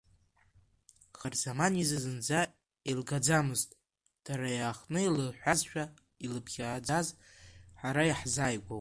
Харзаман изы зынӡа еилгаӡамызт, дара иаахтны илҳәазшәа илыԥхьаӡаз, ҳара иаҳзааигәоу?